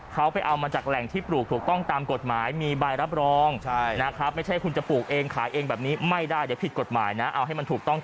เข้าไปเอามาจากแหล่งที่ปลูกถูกต้องตามกฎหมายมีใบรับรองนะครับไม่ใช่ว่าคุณจะปลูกเองขายเองแบบนี้ไม่ได้